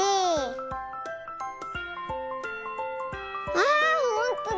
あほんとだ！